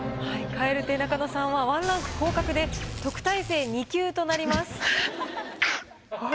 蛙亭中野さんは１ランク降格で特待生２級となります。